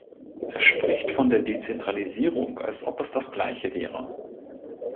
Er spricht von der Dezentralisierung, als ob es das gleiche wäre.